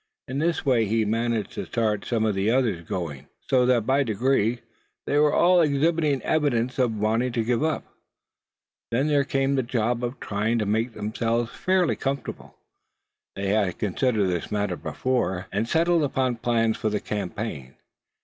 In this way he managed to start some of the others going, so that by degrees they were all exhibiting evidences of wanting to give up. Then there came the job of trying to make themselves fairly comfortable. They had considered this matter before, and settled upon plans for the campaign.